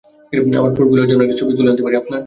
আমার পোর্টফোলিওর জন্য একটা ছবি তুলতে পারি আপনার?